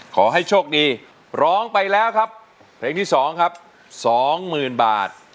ขอให้โชคดีร้องไปแล้วครับเพลงที่๒ครับสองหมื่นบาท